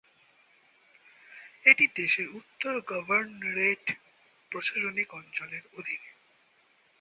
এটি দেশের উত্তর গভর্নরেট প্রশাসনিক অঞ্চলের অধীনে।